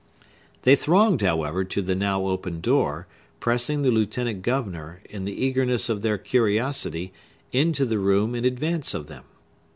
They thronged, however, to the now open door, pressing the lieutenant governor, in the eagerness of their curiosity, into the room in advance of them.